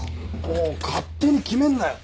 もう勝手に決めんなよ。